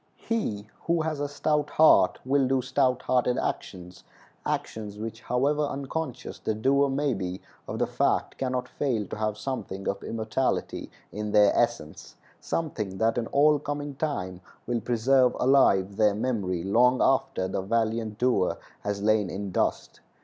He who has a stout heart will do stout hearted actions—actions which, however unconscious the doer may be of the fact, can not fail to have something of immortality in their essence—something that in all coming time will preserve alive their memory long after the valiant doer has lain in dust.